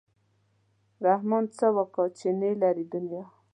رحمان څه وکا چې نه لري دنیا.